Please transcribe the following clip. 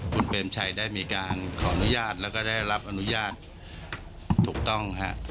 คุณเปรมชัยได้มีการขออนุญาตแล้วก็ได้รับอนุญาตถูกต้องฮะ